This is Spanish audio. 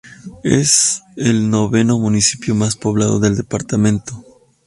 Es el Noveno municipio más poblado del departamento.